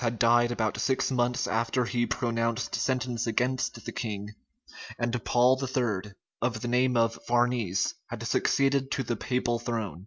had died about six months after he pronounced sentence against the king; and Paul III., of the name of Farnese, had succeeded to the papal throne.